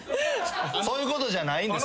そういうことじゃないんですよ。